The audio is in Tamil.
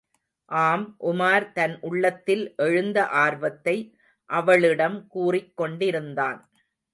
ஆம் உமார் தன் உள்ளத்தில் எழுந்த ஆர்வத்தை அவளிடம் கூறிக் கொண்டிருந்தான்.